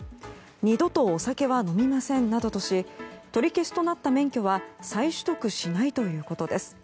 二度とお酒は飲みませんなどとし取り消しとなった免許は再取得しないということです。